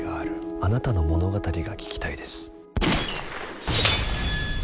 あなたの物語が聞きたいです。